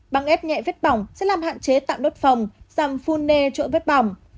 băng ép nhẹ vết bỏng sẽ làm hạn chế tạo đốt phòng giảm phun nê chỗ vết bỏng